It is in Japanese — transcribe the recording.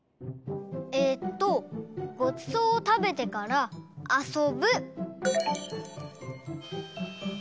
えっとごちそうをたべてからあそぶ。